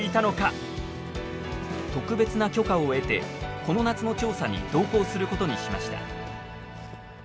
特別な許可を得てこの夏の調査に同行することにしました。